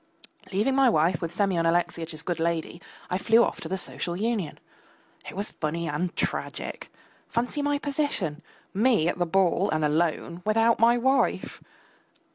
Leaving my wife with Semyon Alexeyitch's good lady, I flew off to the Social Union. It was funny and tragic! Fancy my position! Me at the ball and alone, without my wife!